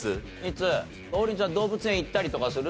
王林ちゃん動物園行ったりとかする？